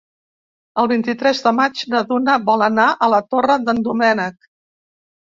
El vint-i-tres de maig na Duna vol anar a la Torre d'en Doménec.